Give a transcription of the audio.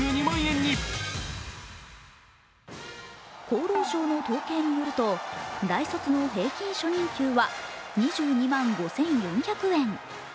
厚労省の統計によると大卒の平均初任給は２２万５４００円。